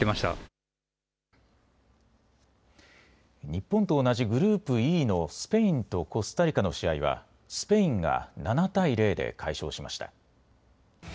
日本と同じグループＥのスペインとコスタリカの試合はスペインが７対０で快勝しました。